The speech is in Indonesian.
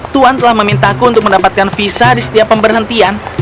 tuan telah memintaku untuk mendapatkan visa di setiap pemberhentian